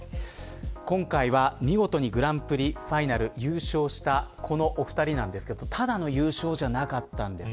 今回は見事にグランプリファイナル優勝したこのお２人なんですけどただの優勝じゃなかったんです。